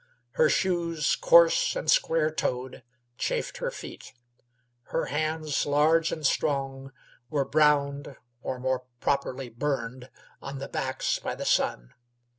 Her shoes, coarse and square toed, chafed her feet; her hands, large and strong, were browned, or, more properly, burnt, on the backs by the sun.